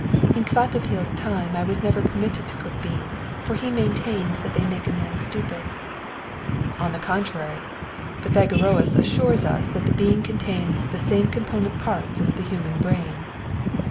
"In Kvatopil's time I was never permitted to cook beans, for he maintained that they make a man stupid." "On the contrary. Pythagoras assures us that the bean contains the same component parts as the human brain."